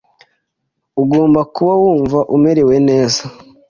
Ugomba kuba wumva umerewe neza.